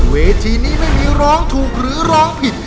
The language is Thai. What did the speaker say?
เวทีนี้ไม่มีร้องถูกหรือร้องผิด